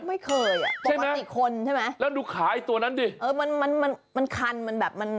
ไม่เคยบอกว่าเป็นอีกคนใช่ไหมแล้วดูขาอีกตัวนั้นดิมันคันมันแบบจักรตี้